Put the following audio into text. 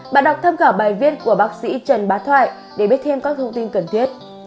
bạn đọc tham khảo bài viết của bác sĩ trần bá thoại để biết thêm các thông tin cần thiết